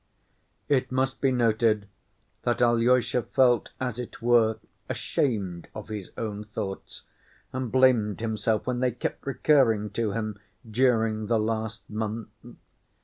It must be noted that Alyosha felt as it were ashamed of his own thoughts and blamed himself when they kept recurring to him during the last month.